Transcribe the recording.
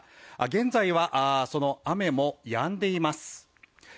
現在は、その雨もやんでいます。